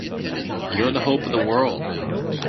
You're the hope of the world!